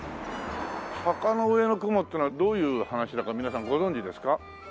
『坂の上の雲』ってのはどういう話だか皆さんご存じですか？